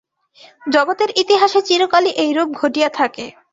জগতের ইতিহাসে চিরকালই এইরূপ ঘটিয়া থাকে।